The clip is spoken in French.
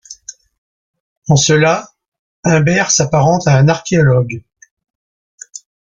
En cela, Imbert s'apparente à un archéologue.